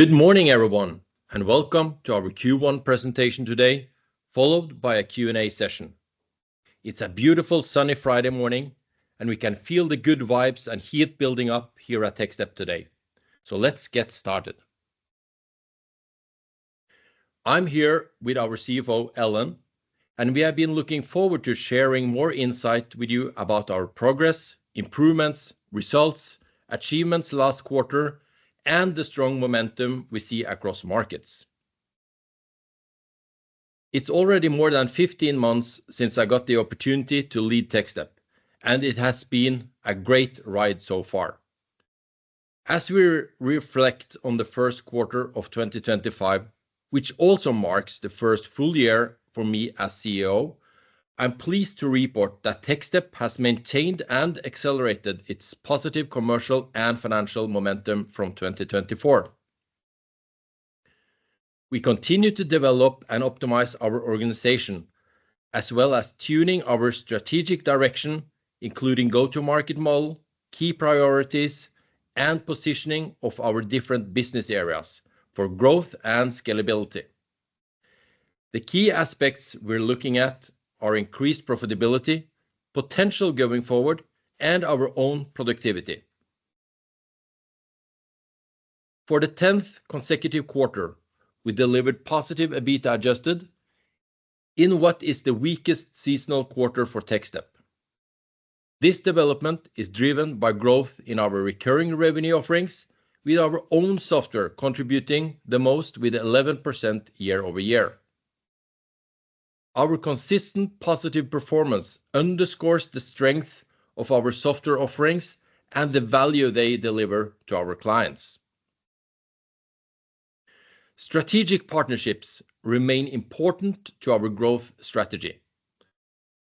Good morning, everyone, and welcome to our Q1 presentation today, followed by a Q&A session. It's a beautiful, sunny Friday morning, and we can feel the good vibes and heat building up here at Techstep today. Let's get started. I'm here with our CFO, Ellen, and we have been looking forward to sharing more insight with you about our progress, improvements, results, achievements last quarter, and the strong momentum we see across markets. It's already more than 15 months since I got the opportunity to lead Techstep, and it has been a great ride so far. As we reflect on the first quarter of 2025, which also marks the first full year for me as CEO, I'm pleased to report that Techstep has maintained and accelerated its positive commercial and financial momentum from 2024. We continue to develop and optimize our organization, as well as tuning our strategic direction, including go-to-market model, key priorities, and positioning of our different business areas for growth and scalability. The key aspects we're looking at are increased profitability, potential going forward, and our own productivity. For the 10th consecutive quarter, we delivered positive EBITDA adjusted in what is the weakest seasonal quarter for Techstep. This development is driven by growth in our recurring revenue offerings, with our own software contributing the most with 11% year over year. Our consistent positive performance underscores the strength of our software offerings and the value they deliver to our clients. Strategic partnerships remain important to our growth strategy.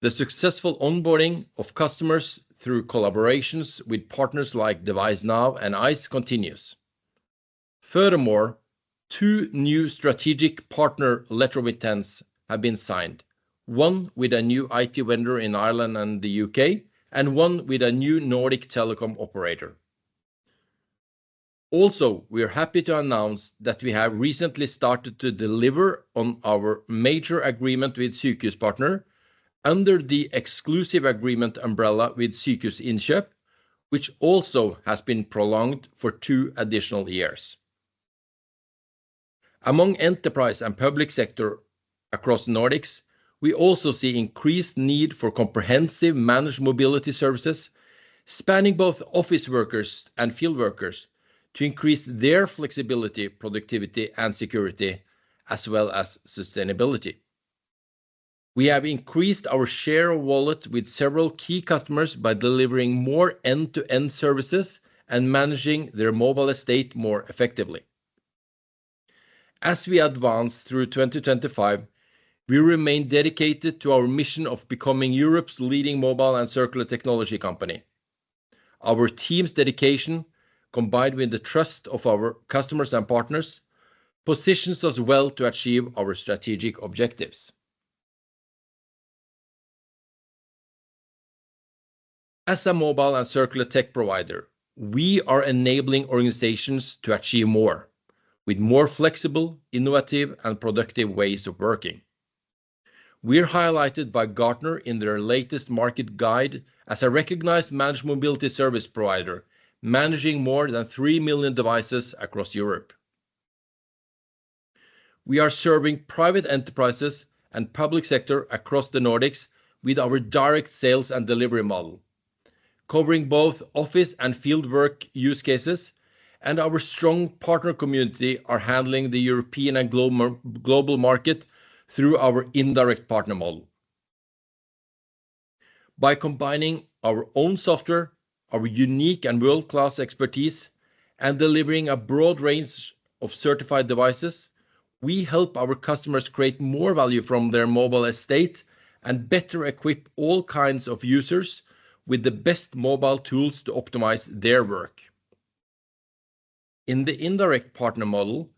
The successful onboarding of customers through collaborations with partners like DeviceNow and ICE continues. Furthermore, two new strategic partner letter of intents have been signed, one with a new IT vendor in Ireland and the U.K., and one with a new Nordic telecom operator. Also, we're happy to announce that we have recently started to deliver on our major agreement with Sykehuspartner under the exclusive agreement umbrella with Sykehusinnkjøp, which also has been prolonged for two additional years. Among enterprise and public sector across the Nordics, we also see increased need for comprehensive managed mobility services spanning both office workers and field workers to increase their flexibility, productivity, and security, as well as sustainability. We have increased our share of wallet with several key customers by delivering more end-to-end services and managing their mobile estate more effectively. As we advance through 2025, we remain dedicated to our mission of becoming Europe's leading mobile and circular technology company. Our team's dedication, combined with the trust of our customers and partners, positions us well to achieve our strategic objectives. As a mobile and circular tech provider, we are enabling organizations to achieve more with more flexible, innovative, and productive ways of working. We're highlighted by Gartner in their latest market guide as a recognized managed mobility service provider managing more than 3 million devices across Europe. We are serving private enterprises and public sector across the Nordics with our direct sales and delivery model, covering both office and field work use cases, and our strong partner community is handling the European and global market through our indirect partner model. By combining our own software, our unique and world-class expertise, and delivering a broad range of certified devices, we help our customers create more value from their mobile estate and better equip all kinds of users with the best mobile tools to optimize their work. In the indirect partner model,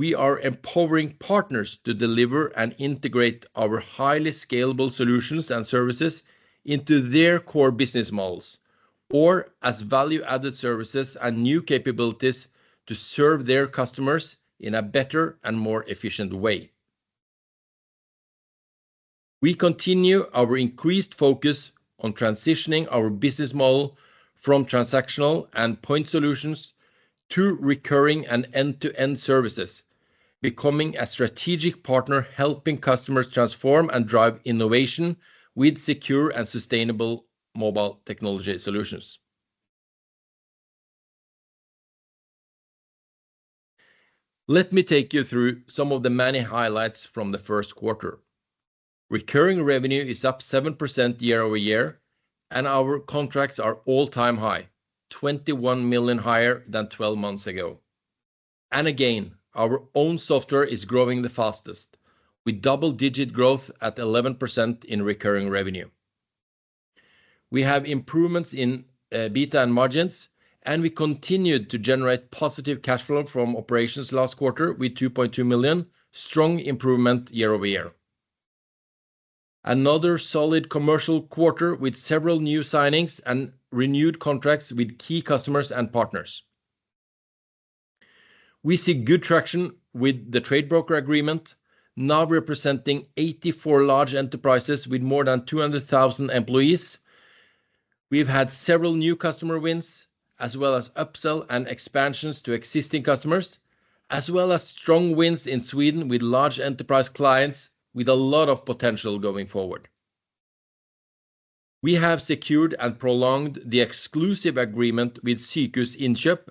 we are empowering partners to deliver and integrate our highly scalable solutions and services into their core business models or as value-added services and new capabilities to serve their customers in a better and more efficient way. We continue our increased focus on transitioning our business model from transactional and point solutions to recurring and end-to-end services, becoming a strategic partner helping customers transform and drive innovation with secure and sustainable mobile technology solutions. Let me take you through some of the many highlights from the first quarter. Recurring revenue is up 7% year over year, and our contracts are all-time high, 21 million higher than 12 months ago. Again, our own software is growing the fastest, with double-digit growth at 11% in recurring revenue. We have improvements in EBITDA and margins, and we continued to generate positive cash flow from operations last quarter with 2.2 million, strong improvement year over year. Another solid commercial quarter with several new signings and renewed contracts with key customers and partners. We see good traction with the Tradebroker agreement, now representing 84 large enterprises with more than 200,000 employees. We've had several new customer wins, as well as upsell and expansions to existing customers, as well as strong wins in Sweden with large enterprise clients with a lot of potential going forward. We have secured and prolonged the exclusive agreement with Sykehusinnkjøp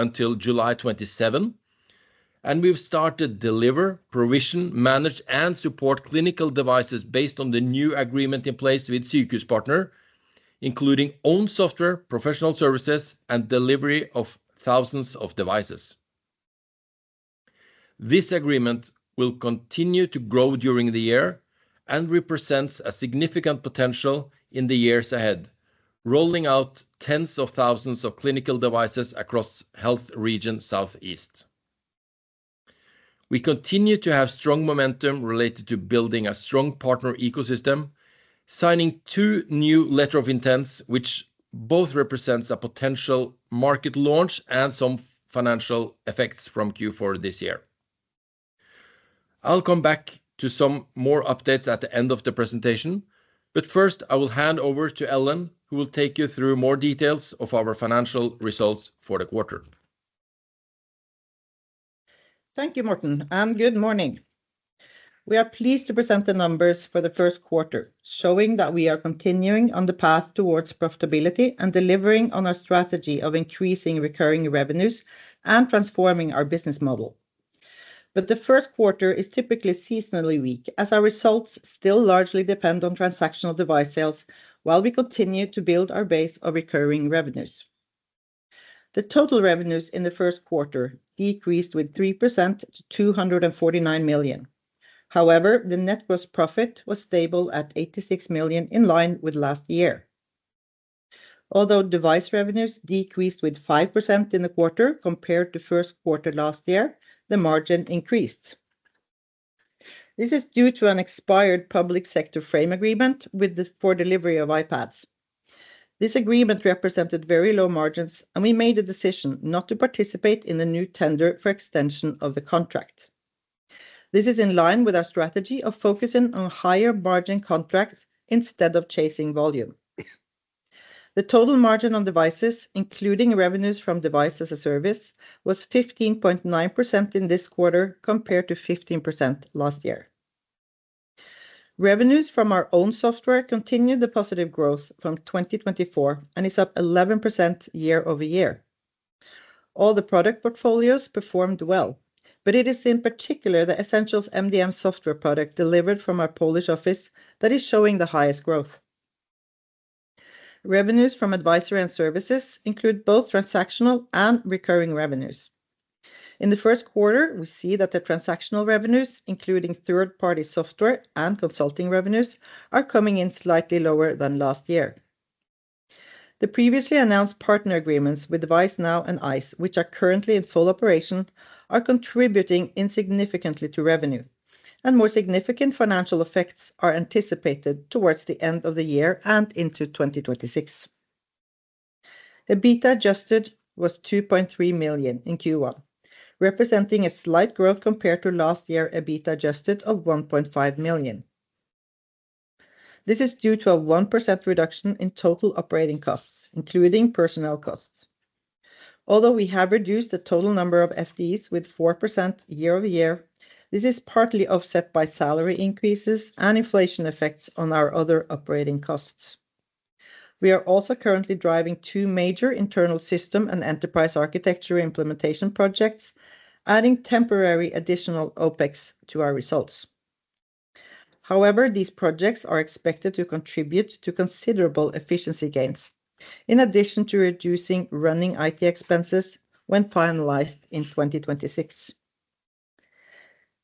until July 27, and we've started to deliver, provision, manage, and support clinical devices based on the new agreement in place with Sykehuspartner, including own software, professional services, and delivery of thousands of devices. This agreement will continue to grow during the year and represents a significant potential in the years ahead, rolling out tens of thousands of clinical devices across Health Region Southeast. We continue to have strong momentum related to building a strong partner ecosystem, signing two new letters of intent, which both represent a potential market launch and some financial effects from Q4 this year. I'll come back to some more updates at the end of the presentation, but first, I will hand over to Ellen, who will take you through more details of our financial results for the quarter. Thank you, Morten, and good morning. We are pleased to present the numbers for the first quarter, showing that we are continuing on the path towards profitability and delivering on our strategy of increasing recurring revenues and transforming our business model. The first quarter is typically seasonally weak, as our results still largely depend on transactional device sales, while we continue to build our base of recurring revenues. The total revenues in the first quarter decreased 3% to 249 million. However, the net gross profit was stable at 86 million, in line with last year. Although device revenues decreased 5% in the quarter compared to the first quarter last year, the margin increased. This is due to an expired public sector frame agreement for delivery of iPads. This agreement represented very low margins, and we made the decision not to participate in the new tender for extension of the contract. This is in line with our strategy of focusing on higher margin contracts instead of chasing volume. The total margin on devices, including revenues from devices as a service, was 15.9% in this quarter compared to 15% last year. Revenues from our own software continued the positive growth from 2024 and is up 11% year over year. All the product portfolios performed well, but it is in particular the Essentials MDM software product delivered from our Polish office that is showing the highest growth. Revenues from advisory and services include both transactional and recurring revenues. In the first quarter, we see that the transactional revenues, including third-party software and consulting revenues, are coming in slightly lower than last year. The previously announced partner agreements with DeviceNow and ICE, which are currently in full operation, are contributing insignificantly to revenue, and more significant financial effects are anticipated towards the end of the year and into 2026. EBITDA adjusted was 2.3 million in Q1, representing a slight growth compared to last year's EBITDA adjusted of 1.5 million. This is due to a 1% reduction in total operating costs, including personnel costs. Although we have reduced the total number of FTEs by 4% year over year, this is partly offset by salary increases and inflation effects on our other operating costs. We are also currently driving two major internal system and enterprise architecture implementation projects, adding temporary additional OpEx to our results. However, these projects are expected to contribute to considerable efficiency gains, in addition to reducing running IT expenses when finalized in 2026.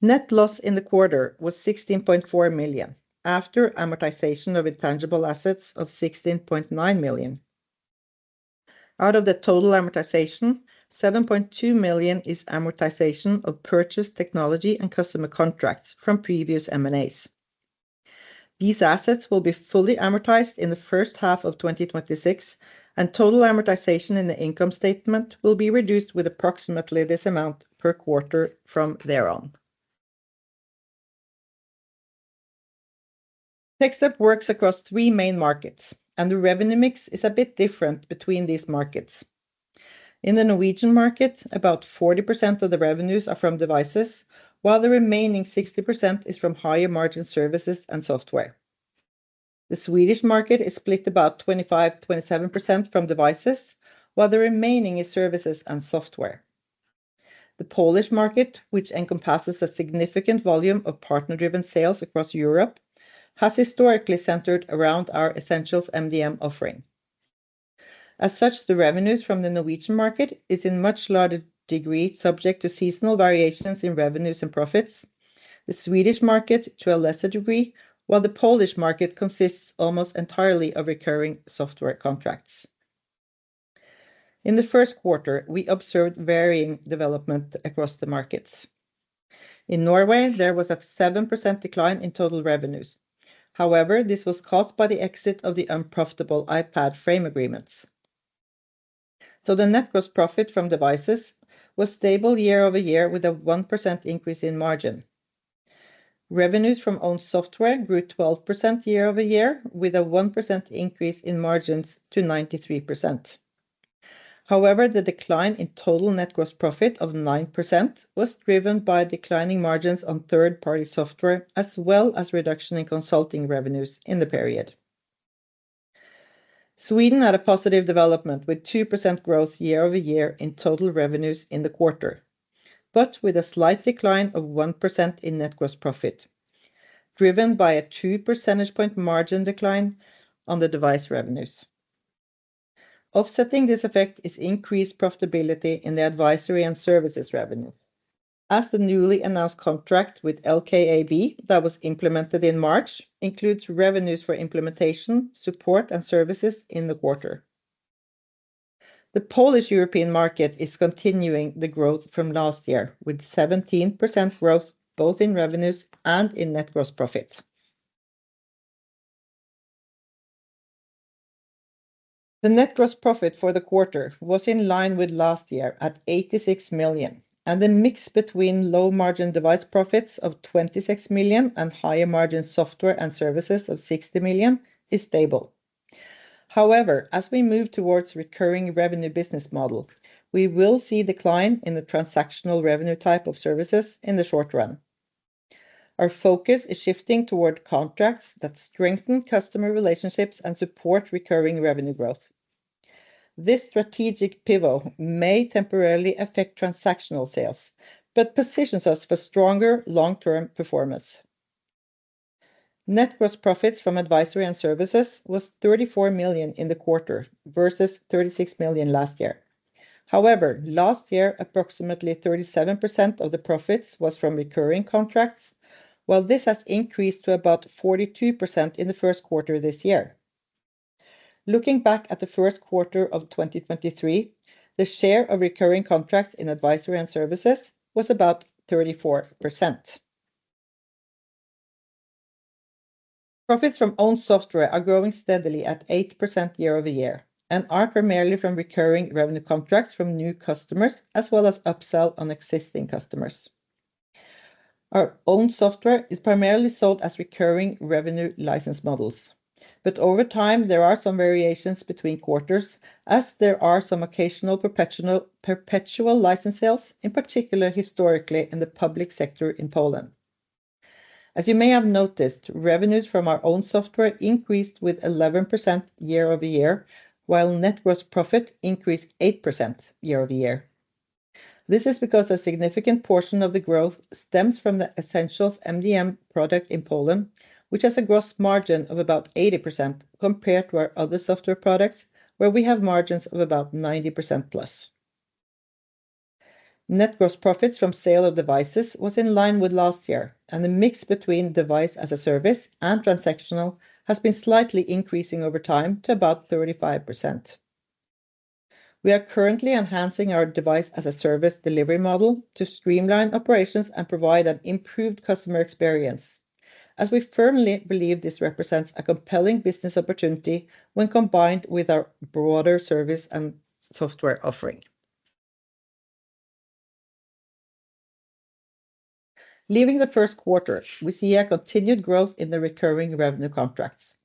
Net loss in the quarter was 16.4 million after amortization of intangible assets of 16.9 million. Out of the total amortization, 7.2 million is amortization of purchased technology and customer contracts from previous M&As. These assets will be fully amortized in the first half of 2026, and total amortization in the income statement will be reduced with approximately this amount per quarter from thereon. Techstep works across three main markets, and the revenue mix is a bit different between these markets. In the Norwegian market, about 40% of the revenues are from devices, while the remaining 60% is from higher-margin services and software. The Swedish market is split about 25-27% from devices, while the remaining is services and software. The Polish market, which encompasses a significant volume of partner-driven sales across Europe, has historically centered around our Essentials MDM offering. As such, the revenues from the Norwegian market are in much larger degree subject to seasonal variations in revenues and profits, the Swedish market to a lesser degree, while the Polish market consists almost entirely of recurring software contracts. In the first quarter, we observed varying development across the markets. In Norway, there was a 7% decline in total revenues. However, this was caused by the exit of the unprofitable iPad frame agreements. So the net gross profit from devices was stable year-over-year, with a 1% increase in margin. Revenues from own software grew 12% year-over-year, with a 1% increase in margins to 93%. However, the decline in total net gross profit of 9% was driven by declining margins on third-party software, as well as a reduction in consulting revenues in the period. Sweden had a positive development with 2% growth year-over-year in total revenues in the quarter, but with a slight decline of 1% in net gross profit, driven by a 2 percentage point margin decline on the device revenues. Offsetting this effect is increased profitability in the advisory and services revenue, as the newly announced contract with LKAB that was implemented in March includes revenues for implementation, support, and services in the quarter. The Polish European market is continuing the growth from last year, with 17% growth both in revenues and in net gross profit. The net gross profit for the quarter was in line with last year at 86 million, and the mix between low-margin device profits of 26 million and higher-margin software and services of 60 million is stable. However, as we move towards a recurring revenue business model, we will see a decline in the transactional revenue type of services in the short run. Our focus is shifting toward contracts that strengthen customer relationships and support recurring revenue growth. This strategic pivot may temporarily affect transactional sales, but positions us for stronger long-term performance. Net gross profits from advisory and services were 34 million in the quarter versus 36 million last year. However, last year, approximately 37% of the profits were from recurring contracts, while this has increased to about 42% in the first quarter this year. Looking back at the first quarter of 2023, the share of recurring contracts in advisory and services was about 34%. Profits from own software are growing steadily at 8% year over year and are primarily from recurring revenue contracts from new customers, as well as upsell on existing customers. Our own software is primarily sold as recurring revenue license models, but over time, there are some variations between quarters, as there are some occasional perpetual license sales, in particular historically in the public sector in Poland. As you may have noticed, revenues from our own software increased with 11% year over year, while net gross profit increased 8% year-over-year. This is because a significant portion of the growth stems from the Essentials MDM product in Poland, which has a gross margin of about 80% compared to our other software products, where we have margins of about 90%+. Net gross profits from sale of devices were in line with last year, and the mix between device as a service and transactional has been slightly increasing over time to about 35%. We are currently enhancing our device as a service delivery model to streamline operations and provide an improved customer experience, as we firmly believe this represents a compelling business opportunity when combined with our broader service and software offering. Leaving the first quarter, we see a continued growth in the recurring revenue contracts,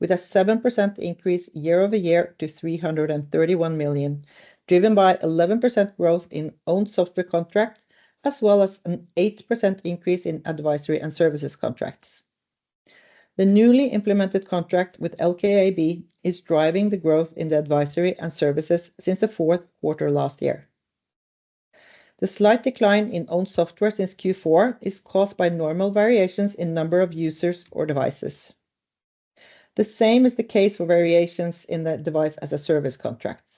with a 7% increase year over year to 331 million, driven by 11% growth in own software contracts, as well as an 8% increase in advisory and services contracts. The newly implemented contract with LKAB is driving the growth in the advisory and services since the fourth quarter last year. The slight decline in own software since Q4 is caused by normal variations in the number of users or devices. The same is the case for variations in the device as a service contracts.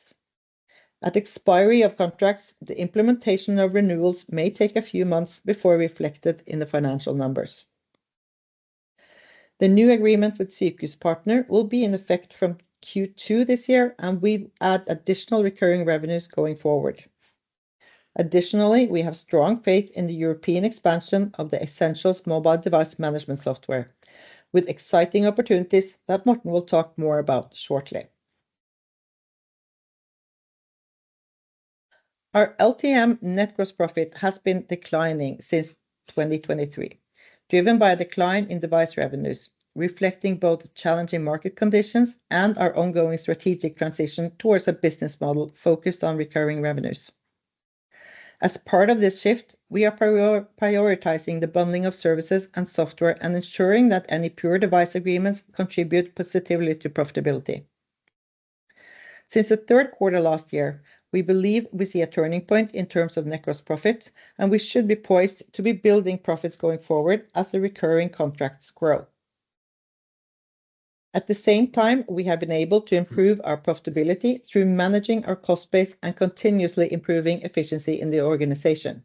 At the expiry of contracts, the implementation of renewals may take a few months before reflected in the financial numbers. The new agreement with Sykehuspartner will be in effect from Q2 this year, and we add additional recurring revenues going forward. Additionally, we have strong faith in the European expansion of the Essentials MDM software, with exciting opportunities that Morten will talk more about shortly. Our LTM net gross profit has been declining since 2023, driven by a decline in device revenues, reflecting both challenging market conditions and our ongoing strategic transition towards a business model focused on recurring revenues. As part of this shift, we are prioritizing the bundling of services and software and ensuring that any pure device agreements contribute positively to profitability. Since the third quarter last year, we believe we see a turning point in terms of net gross profit, and we should be poised to be building profits going forward as the recurring contracts grow. At the same time, we have been able to improve our profitability through managing our cost base and continuously improving efficiency in the organization.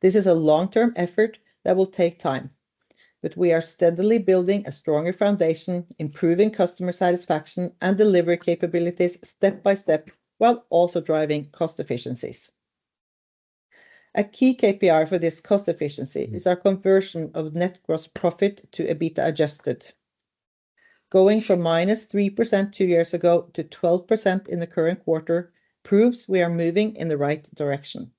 This is a long-term effort that will take time, but we are steadily building a stronger foundation, improving customer satisfaction and delivery capabilities step by step, while also driving cost efficiencies. A key KPI for this cost efficiency is our conversion of net gross profit to EBITDA adjusted. Going from -3% two years ago to 12% in the current quarter proves we are moving in the right direction.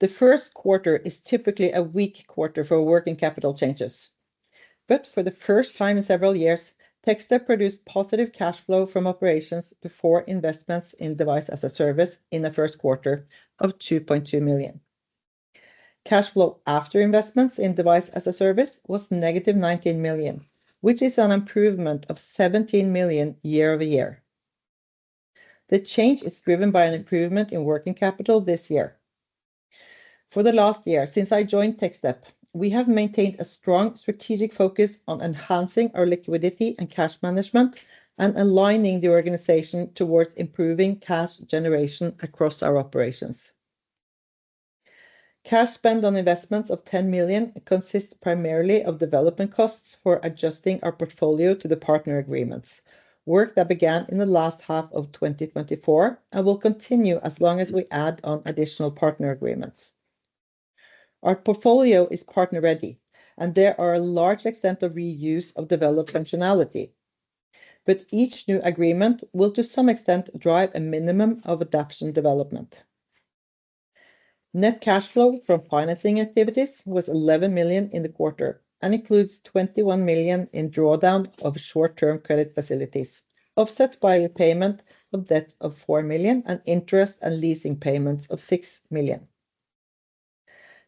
The first quarter is typically a weak quarter for working capital changes, but for the first time in several years, Techstep produced positive cash flow from operations before investments in device as a service in the first quarter of 2.2 million. Cash flow after investments in device as a service was negative 19 million, which is an improvement of 17 million year over year. The change is driven by an improvement in working capital this year. For the last year since I joined Techstep, we have maintained a strong strategic focus on enhancing our liquidity and cash management and aligning the organization towards improving cash generation across our operations. Cash spent on investments of 10 million consists primarily of development costs for adjusting our portfolio to the partner agreements, work that began in the last half of 2024 and will continue as long as we add on additional partner agreements. Our portfolio is partner-ready, and there are a large extent of reuse of developed functionality, but each new agreement will, to some extent, drive a minimum of adaption development. Net cash flow from financing activities was 11 million in the quarter and includes 21 million in drawdown of short-term credit facilities, offset by a payment of debt of 4 million and interest and leasing payments of 6 million.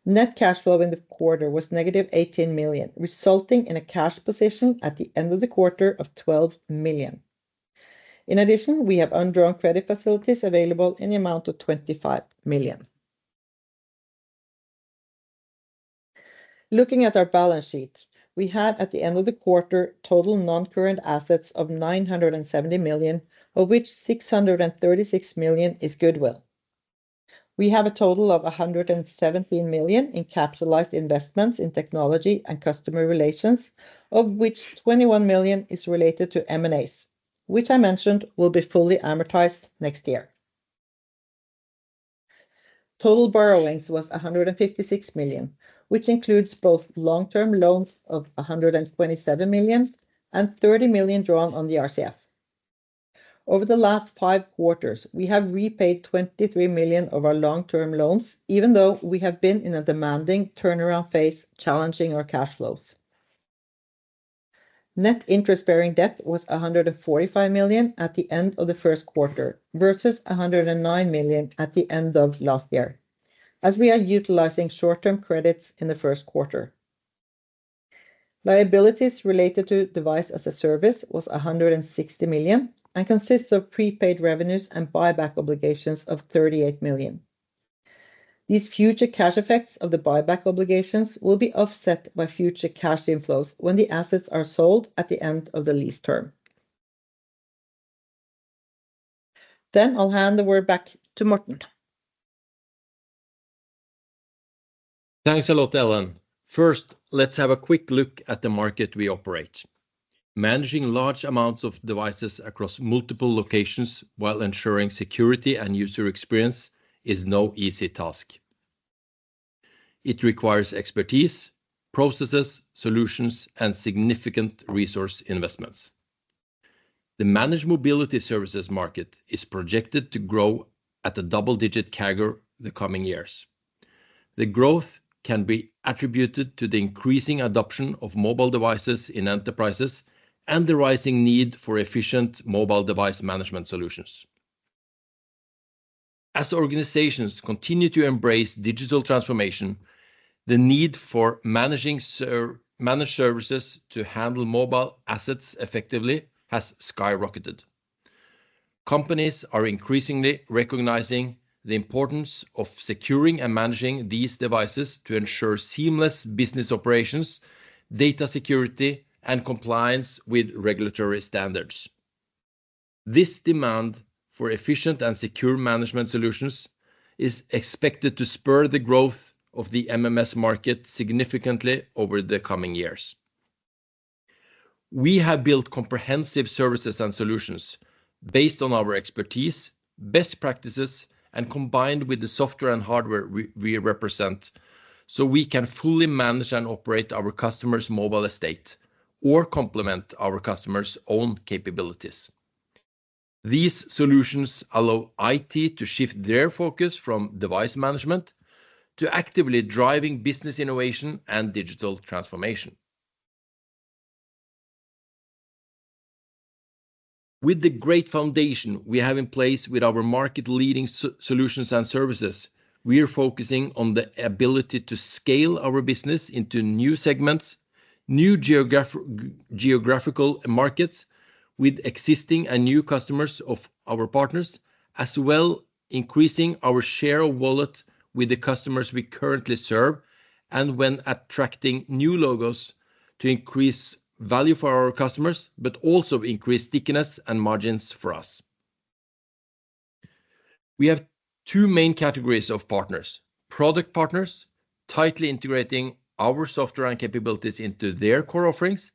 Net cash flow in the quarter was negative 18 million, resulting in a cash position at the end of the quarter of 12 million. In addition, we have undrawn credit facilities available in the amount of 25 million. Looking at our balance sheet, we had at the end of the quarter total non-current assets of 970 million, of which 636 million is goodwill. We have a total of 117 million in capitalized investments in technology and customer relations, of which 21 million is related to M&As, which I mentioned will be fully amortized next year. Total borrowings was 156 million, which includes both long-term loans of 127 million and 30 million drawn on the RCF. Over the last five quarters, we have repaid 23 million of our long-term loans, even though we have been in a demanding turnaround phase challenging our cash flows. Net interest-bearing debt was 145 million at the end of the first quarter versus 109 million at the end of last year, as we are utilizing short-term credits in the first quarter. Liabilities related to device as-a-service were 160 million and consist of prepaid revenues and buyback obligations of 38 million. These future cash effects of the buyback obligations will be offset by future cash inflows when the assets are sold at the end of the lease term. I'll hand the word back to Morten. Thanks a lot, Ellen. First, let's have a quick look at the market we operate. Managing large amounts of devices across multiple locations while ensuring security and user experience is no easy task. It requires expertise, processes, solutions, and significant resource investments. The managed mobility services market is projected to grow at a double-digit CAGR the coming years. The growth can be attributed to the increasing adoption of mobile devices in enterprises and the rising need for efficient mobile device management solutions. As organizations continue to embrace digital transformation, the need for managing managed services to handle mobile assets effectively has skyrocketed. Companies are increasingly recognizing the importance of securing and managing these devices to ensure seamless business operations, data security, and compliance with regulatory standards. This demand for efficient and secure management solutions is expected to spur the growth of the MMS market significantly over the coming years. We have built comprehensive services and solutions based on our expertise, best practices, and combined with the software and hardware we represent, so we can fully manage and operate our customers' mobile estate or complement our customers' own capabilities. These solutions allow IT to shift their focus from device management to actively driving business innovation and digital transformation. With the great foundation we have in place with our market-leading solutions and services, we are focusing on the ability to scale our business into new segments, new geographical markets with existing and new customers of our partners, as well as increasing our share of wallet with the customers we currently serve and when attracting new logos to increase value for our customers, but also increase stickiness and margins for us. We have two main categories of partners: product partners, tightly integrating our software and capabilities into their core offerings,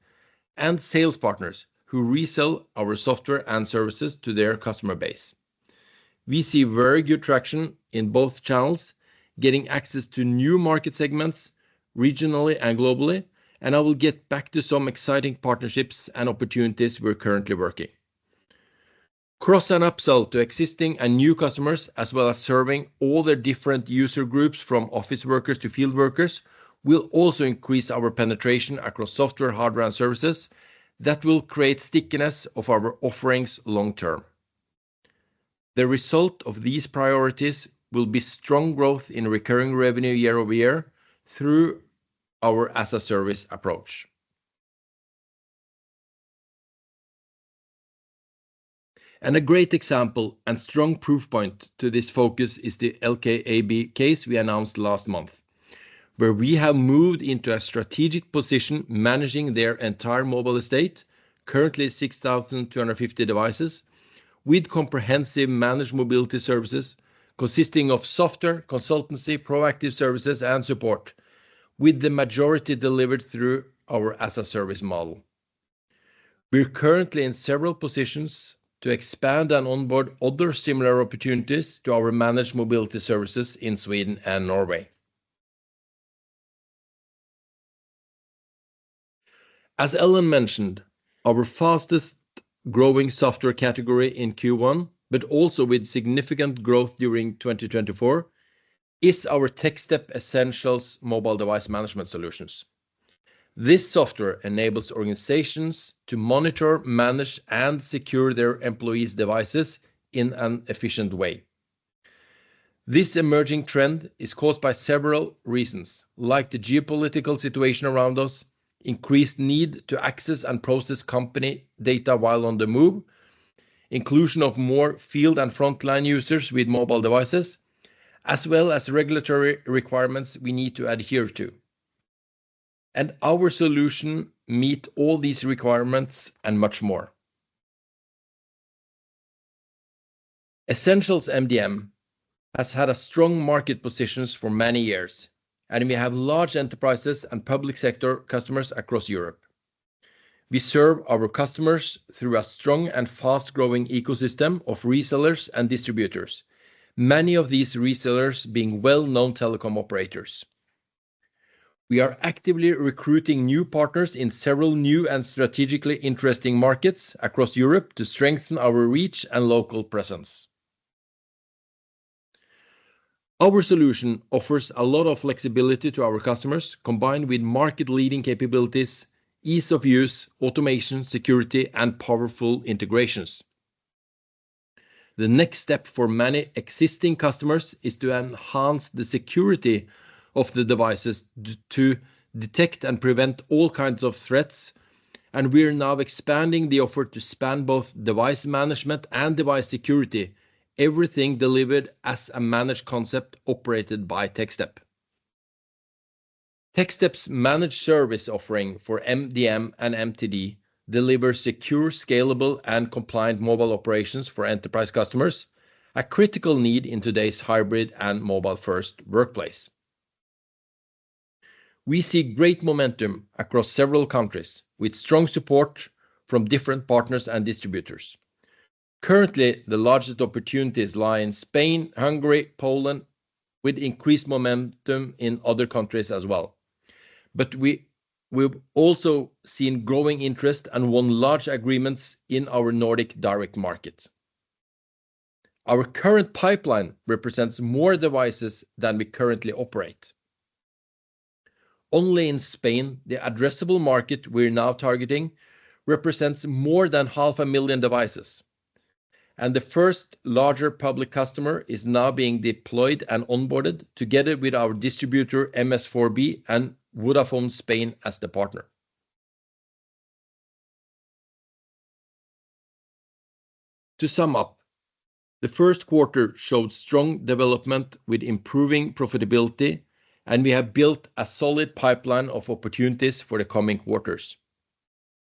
and sales partners who resell our software and services to their customer base. We see very good traction in both channels, getting access to new market segments regionally and globally, and I will get back to some exciting partnerships and opportunities we're currently working. Cross-and-upsell to existing and new customers, as well as serving all their different user groups from office workers to field workers, will also increase our penetration across software, hardware, and services that will create stickiness of our offerings long-term. The result of these priorities will be strong growth in recurring revenue year over year through our as-a-service approach. A great example and strong proof point to this focus is the LKAB case we announced last month, where we have moved into a strategic position managing their entire mobile estate, currently 6,250 devices, with comprehensive managed mobility services consisting of software, consultancy, proactive services, and support, with the majority delivered through our as-a-service model. We're currently in several positions to expand and onboard other similar opportunities to our managed mobility services in Sweden and Norway. As Ellen mentioned, our fastest-growing software category in Q1, but also with significant growth during 2024, is our Techstep Essentials mobile device management solutions. This software enables organizations to monitor, manage, and secure their employees' devices in an efficient way. This emerging trend is caused by several reasons, like the geopolitical situation around us, increased need to access and process company data while on the move, inclusion of more field and frontline users with mobile devices, as well as regulatory requirements we need to adhere to. Our solution meets all these requirements and much more. Essentials MDM has had a strong market position for many years, and we have large enterprises and public sector customers across Europe. We serve our customers through a strong and fast-growing ecosystem of resellers and distributors, many of these resellers being well-known telecom operators. We are actively recruiting new partners in several new and strategically interesting markets across Europe to strengthen our reach and local presence. Our solution offers a lot of flexibility to our customers, combined with market-leading capabilities, ease of use, automation, security, and powerful integrations. The next step for many existing customers is to enhance the security of the devices to detect and prevent all kinds of threats, and we are now expanding the offer to span both device management and device security, everything delivered as a managed concept operated by Techstep. Techstep's managed service offering for MDM and MTD delivers secure, scalable, and compliant mobile operations for enterprise customers, a critical need in today's hybrid and mobile-first workplace. We see great momentum across several countries with strong support from different partners and distributors. Currently, the largest opportunities lie in Spain, Hungary, and Poland, with increased momentum in other countries as well. We have also seen growing interest and won large agreements in our Nordic direct market. Our current pipeline represents more devices than we currently operate. Only in Spain, the addressable market we are now targeting represents more than 500,000 devices, and the first larger public customer is now being deployed and onboarded together with our distributor MS4B and Vodafone Spain as the partner. To sum up, the first quarter showed strong development with improving profitability, and we have built a solid pipeline of opportunities for the coming quarters.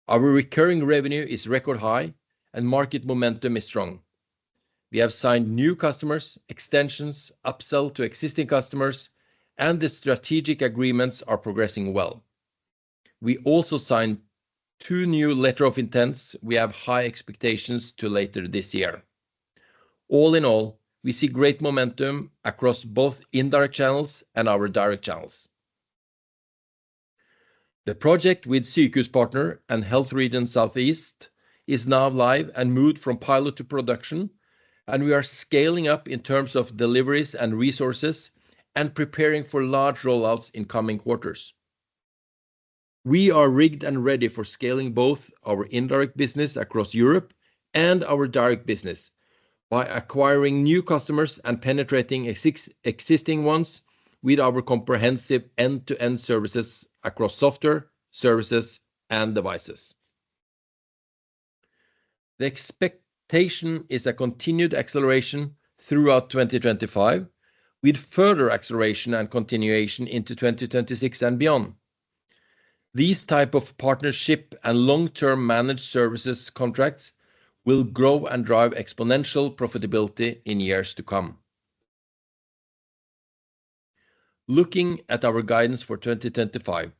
Our recurring revenue is record high, and market momentum is strong. We have signed new customers, extensions, upsell to existing customers, and the strategic agreements are progressing well. We also signed two new letters of intent. We have high expectations for later this year. All in all, we see great momentum across both indirect channels and our direct channels. The project with Sykehuspartner and HealthRead in Southeast is now live and moved from pilot to production, and we are scaling up in terms of deliveries and resources and preparing for large rollouts in coming quarters. We are rigged and ready for scaling both our indirect business across Europe and our direct business by acquiring new customers and penetrating existing ones with our comprehensive end-to-end services across software services and devices. The expectation is a continued acceleration throughout 2025, with further acceleration and continuation into 2026 and beyond. These types of partnership and long-term managed services contracts will grow and drive exponential profitability in years to come. Looking at our guidance for 2025,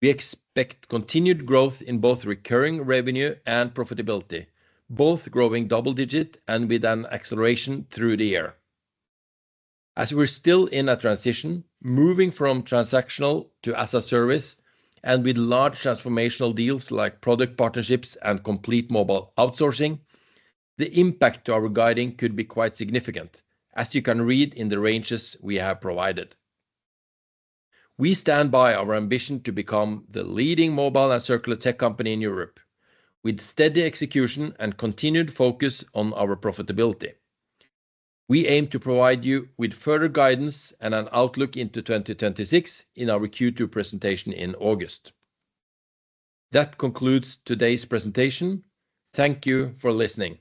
we expect continued growth in both recurring revenue and profitability, both growing double-digit and with an acceleration through the year. As we're still in a transition, moving from transactional to as-a-service and with large transformational deals like product partnerships and complete mobile outsourcing, the impact to our guiding could be quite significant, as you can read in the ranges we have provided. We stand by our ambition to become the leading mobile and circular tech company in Europe, with steady execution and continued focus on our profitability. We aim to provide you with further guidance and an outlook into 2026 in our Q2 presentation in August. That concludes today's presentation. Thank you for listening.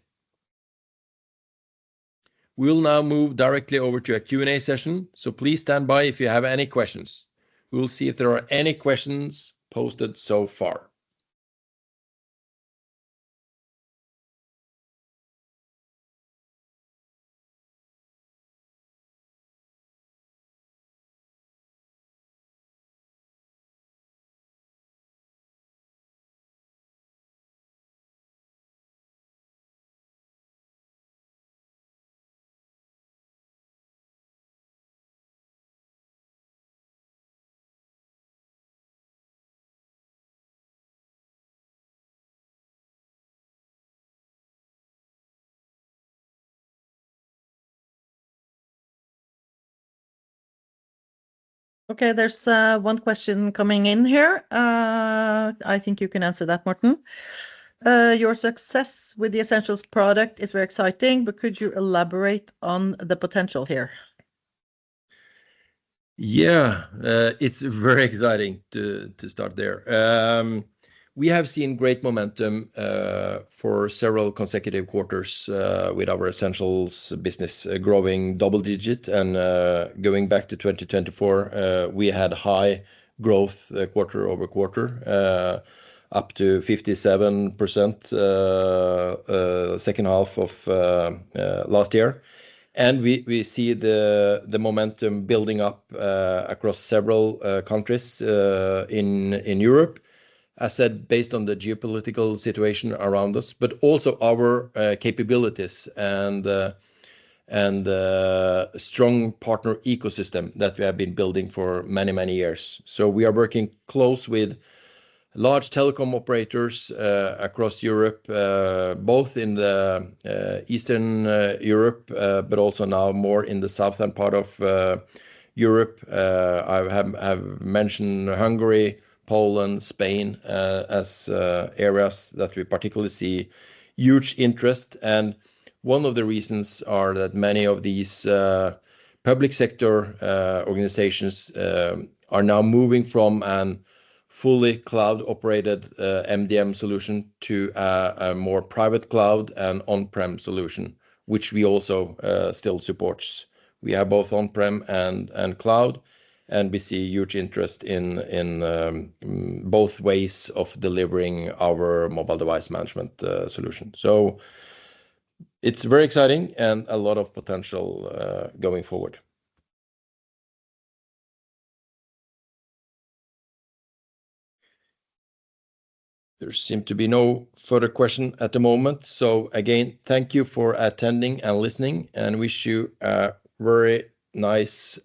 We'll now move directly over to a Q&A session, so please stand by if you have any questions. We'll see if there are any questions posted so far. Okay, there's one question coming in here. I think you can answer that, Morten. Your success with the Essentials product is very exciting, but could you elaborate on the potential here? Yeah, it's very exciting to start there. We have seen great momentum for several consecutive quarters with our Essentials business growing double-digit, and going back to 2024, we had high growth quarter over quarter, up to 57% second half of last year. We see the momentum building up across several countries in Europe, as I said, based on the geopolitical situation around us, but also our capabilities and strong partner ecosystem that we have been building for many, many years. We are working close with large telecom operators across Europe, both in Eastern Europe, but also now more in the southern part of Europe. I have mentioned Hungary, Poland, and Spain as areas that we particularly see huge interest. One of the reasons is that many of these public sector organizations are now moving from a fully cloud-operated MDM solution to a more private cloud and on-prem solution, which we also still support. We have both on-prem and cloud, and we see huge interest in both ways of delivering our mobile device management solution. It is very exciting and a lot of potential going forward. There seems to be no further question at the moment. Again, thank you for attending and listening, and wish you a very nice.